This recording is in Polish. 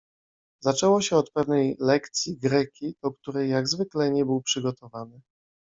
Zaczęło się od pewnej lek cji greki, do której — jak zwykle — nie był przygotowany.